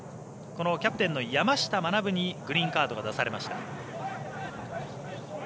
キャプテンの山下学にグリーンカードが出されました。